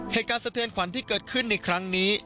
เหตุการณ์เสด็จขวัญที่เกิดขึ้นในครั้งนี้